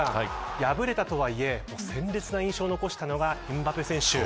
破れたとはいえ鮮烈な印象を残したのがエムバペ選手。